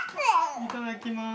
いただきます。